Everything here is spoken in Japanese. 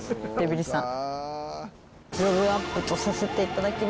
ギブアップとさせていただきます。